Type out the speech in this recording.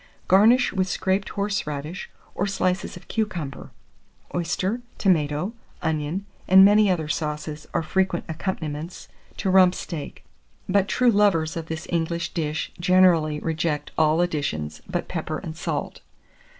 Garnish with scraped horseradish, or slices of cucumber. Oyster, tomato, onion, and many other sauces, are frequent accompaniments to rump steak, but true lovers of this English dish generally reject all additions but pepper and salt.